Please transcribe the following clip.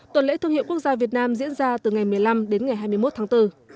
tuần lễ thương hiệu quốc gia việt nam diễn ra từ ngày một mươi năm đến ngày hai mươi một tháng bốn